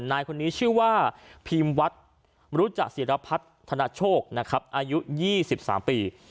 นายคนนี้ชื่อว่าพีมวัดมรุจสิระพัดธนโชครับอายุ๒๓ปี